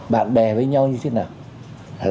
bạn bè với nhau như thế nào